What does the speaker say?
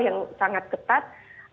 yang sangat ketat